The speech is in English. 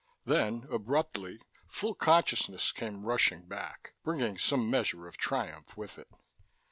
Then, abruptly, full consciousness came rushing back, bringing some measure of triumph with it.